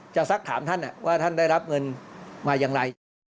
สักถามท่านว่าท่านได้รับเงินมาอย่างไร